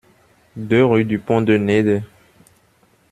deux rue du Pont de Nedde